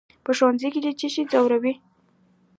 "په ښوونځي کې دې څه شی ځوروي؟"